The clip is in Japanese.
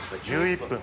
１１分。